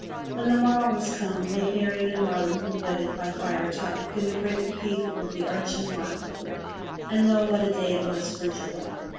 When the morrow was come, Maid Marian and Robin were wedded by Friar Tuck in the great cathedral of the arching wildwood, and lo! what a day it was for joy.